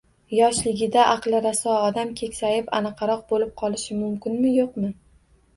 Yoshligida aqli raso odam keksayib, “annaqaroq” bo’lib qolishi mumkinmi-yo’qmi